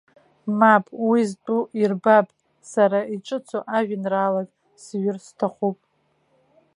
Мап, уи зтәу ирбап, сара иҿыцу ажәеинраалак зҩыр сҭахуп.